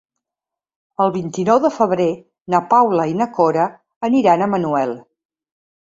El vint-i-nou de febrer na Paula i na Cora aniran a Manuel.